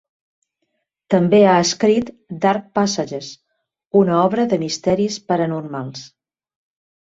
També ha escrit "Dark passages", una obra de misteris paranormals.